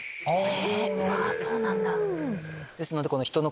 そうなんだ。